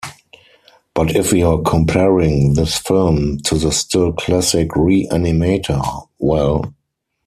But if you're comparing this film to the still classic "Re-Animator", well...